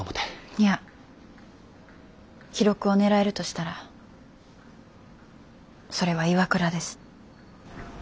いや記録を狙えるとしたらそれは岩倉です。